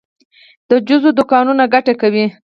د جوسو دکانونه ګټه کوي؟